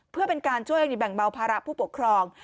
เพื่อเป็นการช่วยแบ่งเบาภาระผู้ปกครอง